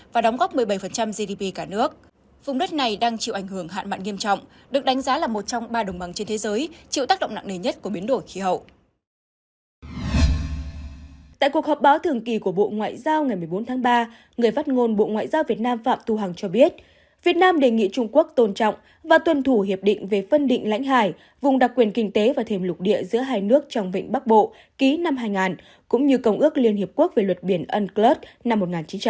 việt nam đề nghị trung quốc tôn trọng và tuân thủ hiệp định về phân định lãnh hải vùng đặc quyền kinh tế và thềm lục địa giữa hai nước trong vịnh bắc bộ ký năm hai nghìn cũng như công ước liên hiệp quốc về luật biển unclosed năm một nghìn chín trăm tám mươi hai